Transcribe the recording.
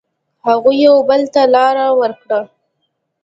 هغوی یو بل ته لاره ورکړه.